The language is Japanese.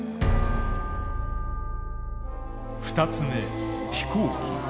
二つ目飛行機。